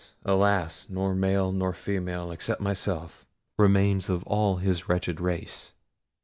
alas! nor male nor female, except myself, remains of all his wretched race!